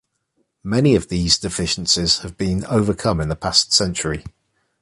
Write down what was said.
Many of these deficiencies have been overcome in the past century.